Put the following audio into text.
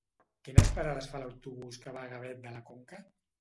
Quines parades fa l'autobús que va a Gavet de la Conca?